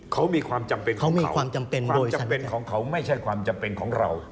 เขามีความจำเป็นของเขาความจำเป็นของเขาไม่ใช่ความจำเป็นของเรา